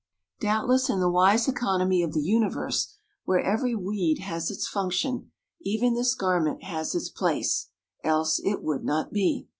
Doubtless in the wise economy of the universe, where every weed has its function, even this garment has its place else it would not be.